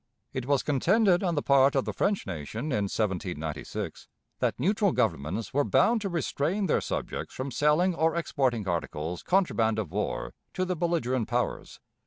It was contended on the part of the French nation, in 1796, that neutral governments were bound to restrain their subjects from selling or exporting articles contraband of war to the belligerent powers.